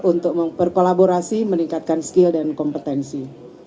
untuk berkolaborasi meningkatkan skill dan kompetensi